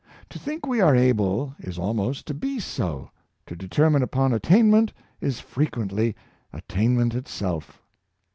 To think we are able, is al most to be so — to determine upon attainment is fre quently attainment itself.